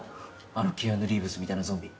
あのキアヌ・リーブスみたいなゾンビ。